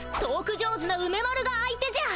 上手な梅丸が相手じゃ。